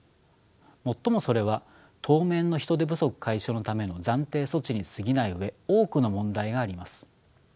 もっともそれは当面の人手不足解消のための暫定措置にすぎない上多くの問題があります。